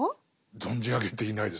存じ上げていないです。